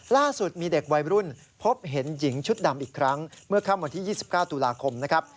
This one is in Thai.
ล่าสุดมีเด็กวัยรุ่นพบเห็นหญิงชุดดำอีกครั้งเมื่อค่ำวันที่๒๙ตุลาคมนะครับ